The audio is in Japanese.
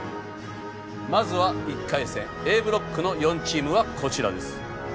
まずは１回戦Ａブロックの４チームはこちらです。